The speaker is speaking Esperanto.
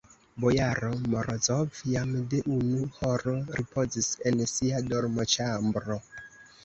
Bojaro Morozov jam de unu horo ripozis en sia dormoĉambro.